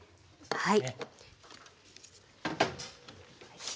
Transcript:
はい。